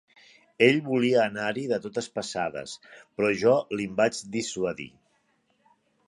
Ell volia anar-hi de totes passades, però jo l'en vaig dissuadir.